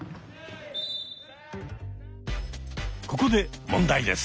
ここで問題です。